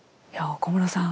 小室さん